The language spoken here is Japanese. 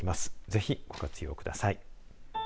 ぜひ、ご活用ください。